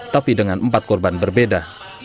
tapi dengan empat korban berbeda